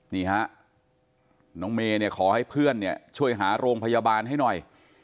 นี่ฮะน้องเมย์ขอให้เพื่อนช่วยหาโรงพยาบาลให้หน่อย